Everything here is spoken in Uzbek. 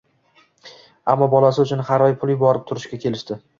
Ammo bolasi uchun har oy pul yuborib turishga kelishdi